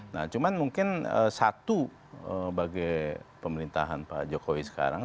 nah cuman mungkin satu bagi pemerintahan pak jokowi sekarang